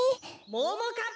・ももかっぱ！